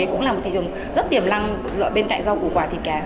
cũng là một thị trường rất tiềm lăng bên cạnh rau củ quả thịt cà